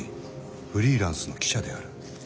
フリーランスの記者である。